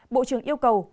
bộ trưởng yêu cầu